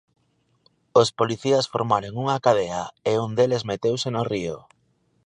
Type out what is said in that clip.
Os policías formaron unha cadea, e un deles meteuse no río.